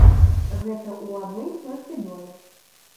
Гэта ў адным толькі доме.